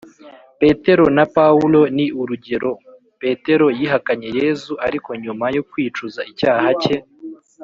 petero na paulo ni urugero.petero yihakanye yezu ariko nyuma yo kwicuza icyaha cye,